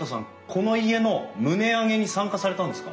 この家の棟上げに参加されたんですか？